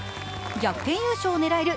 逆転優勝を狙える